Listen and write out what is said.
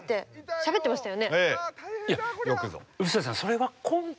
しゃべってましたよ。